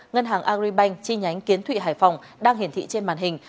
ngân hàng agribank chi nhánh kiến thụy hải phòng đang hiển thị trên màn hình